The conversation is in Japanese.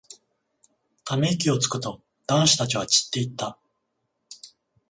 ため息をつくと、男子たちは散っていった。